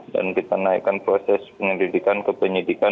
dan kita naikkan proses penyelidikan ke penyidikan